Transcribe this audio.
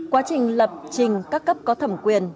quá trình lập trình các cấp có thẩm quyền